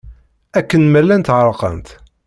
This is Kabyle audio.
Akken ma llant ɣerqent.